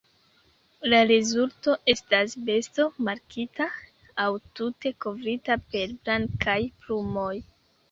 La rezulto estas besto markita, aŭ tute kovrita per blankaj plumoj.